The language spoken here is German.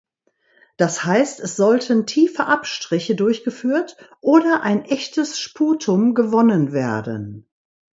Das heißt es sollten tiefe Abstriche durchgeführt oder ein echtes Sputum gewonnen werden.